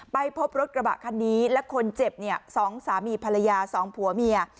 ไปพบรถกระบะคันนี้และคนเจ็บเนี่ย๒สามีภรรยาสองผัวเมีย